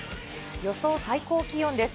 予想最高気温です。